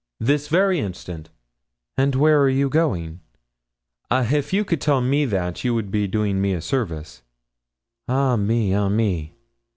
"This very instant." "And where are you going?" "Ah, if you could tell me that, you would be doing me a service." "Ah, me! ah, me!